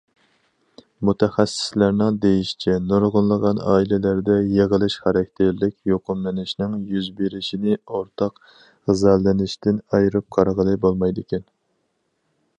مۇتەخەسسىسلەرنىڭ دېيىشىچە، نۇرغۇنلىغان ئائىلىلەردە يىغىلىش خاراكتېرلىك يۇقۇملىنىشنىڭ يۈز بېرىشىنى ئورتاق غىزالىنىشتىن ئايرىپ قارىغىلى بولمايدىكەن.